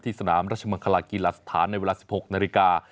สนามราชมังคลากีฬาสถานในเวลา๑๖นาฬิกา